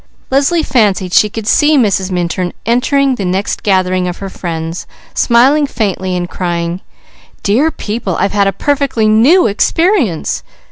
Leslie fancied she could see Mrs. Minturn entering the next gathering of her friends, smiling faintly and crying: "Dear people, I've had a perfectly new experience!"